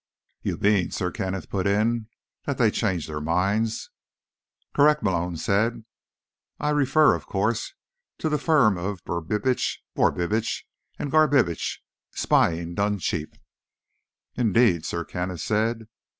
"You mean," Sir Kenneth put in, "that they changed their minds." "Correct," Malone said. "I refer, of course, to the firm of Brubitsch, Borbitsch and Garbitsch, Spying Done Cheap." "Indeed," Sir Kenneth said.